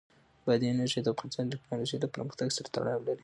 بادي انرژي د افغانستان د تکنالوژۍ له پرمختګ سره تړاو لري.